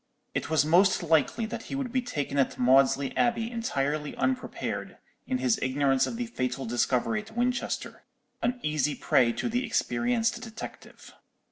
It was most likely that he would be taken at Maudesley Abbey entirely unprepared, in his ignorance of the fatal discovery at Winchester; an easy prey to the experienced detective.